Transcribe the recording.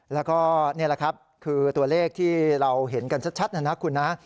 แล้วก็นี่แหละครับคือตัวเลขที่เราเห็นกันชัดนะนะคุณนะ